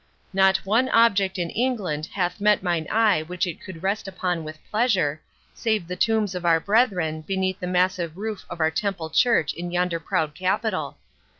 Not one object in England hath met mine eye which it could rest upon with pleasure, save the tombs of our brethren, beneath the massive roof of our Temple Church in yonder proud capital.